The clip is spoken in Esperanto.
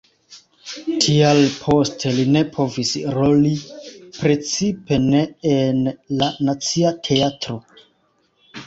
Tial poste li ne povis roli, precipe ne en la Nacia Teatro.